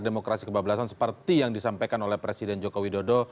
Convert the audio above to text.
demokrasi kebablasan seperti yang disampaikan oleh presiden joko widodo